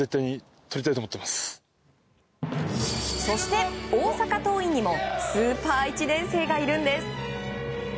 そして、大阪桐蔭にもスーパー１年生がいるんです。